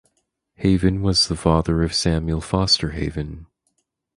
Haven was the father of Samuel Foster Haven.